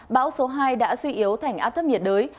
bão số hai đã suy yếu thành áp thấp nhiệt đới